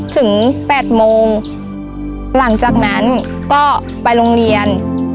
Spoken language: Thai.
แปดโมงหลังจากนั้นก็ไปโรงเรียน